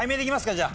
じゃあ。